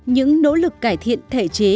những nỗ lực cải thiện thể chế